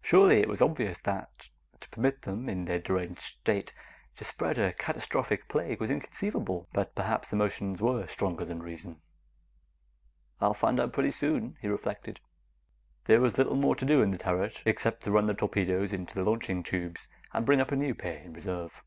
Surely, it was obvious that to permit them, in their deranged state, to spread a catastrophic plague was inconceivable. But perhaps emotions were stronger than reason. "I'll find out pretty soon," he reflected. There was little more to do in the turret, except to run the torpedoes into the launching tubes and bring up a new pair in reserve.